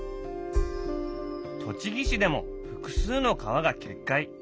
栃木市でも複数の川が決壊。